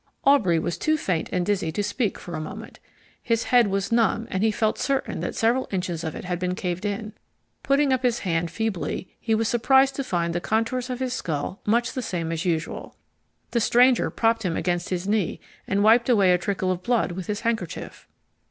Aubrey was too faint and dizzy to speak for a moment. His head was numb and he felt certain that several inches of it had been caved in. Putting up his hand, feebly, he was surprised to find the contours of his skull much the same as usual. The stranger propped him against his knee and wiped away a trickle of blood with his handkerchief.